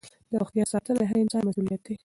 د روغتیا ساتنه د هر انسان مسؤلیت دی.